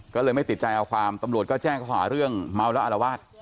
ก็เลยไม่ติดใจเอาความตำรวจก็แจ้งเขาหาเรื่องเมาแล้วอารวาส